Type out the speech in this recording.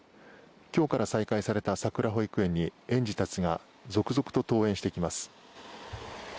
今日から再開されたさくらに園児たちが続々と登園してきます